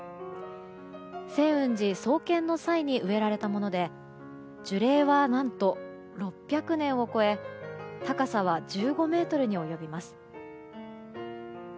清雲寺創建の際に植えられたもので樹齢は何と６００年を超え高さは１５ｍに及びます。